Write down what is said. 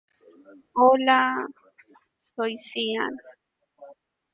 Era utilizado por hombres y por mujeres.